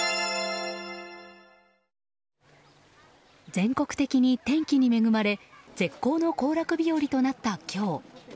全国的に天気に恵まれ絶好の行楽日和となった今日。